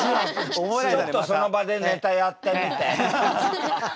ちょっとその場でネタやってみたいな。